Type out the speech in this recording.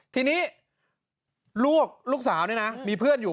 ทีนี้ลูกสาวนี่นะมีเพื่อนอยู่